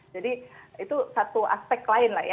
jadi itu satu aspek lain